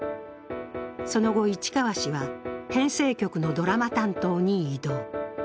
その後、市川氏は編成局のドラマ担当に異動。